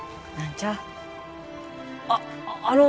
あっあの！